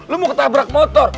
lu mau ketabrak motor